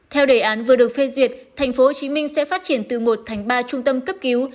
theo đề án vừa được phê duyệt tp hcm sẽ phát triển từ một thành ba trung tâm cấp cứu